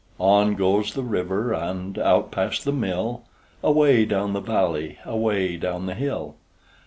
On goes the river And out past the mill, Away down the valley, Away down the hill.